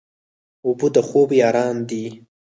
اوبه د خوب یاران دي.